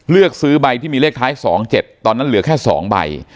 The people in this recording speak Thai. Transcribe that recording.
เลือกซื้อใบที่มีเลขท้าย๒๗ตอนนั้นเหลือแค่๒ใบ